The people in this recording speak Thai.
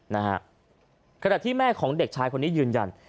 ขนาดที่แม่ของเด็กชายคนนี้ยืนยัน